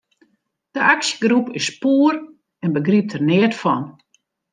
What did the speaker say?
De aksjegroep is poer en begrypt der neat fan.